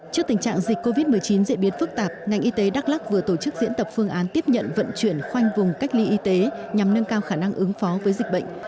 trước tình trạng dịch covid một mươi chín diễn biến phức tạp ngành y tế đắk lắc vừa tổ chức diễn tập phương án tiếp nhận vận chuyển khoanh vùng cách ly y tế nhằm nâng cao khả năng ứng phó với dịch bệnh